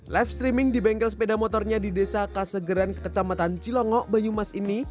live streaming di bengkel sepeda motornya di desa kasegeran kekecamatan cilongo bayu mas ini